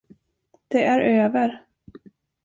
Det är över.